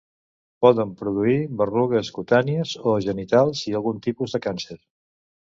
Poden produir berrugues cutànies o genitals i alguns tipus de càncer.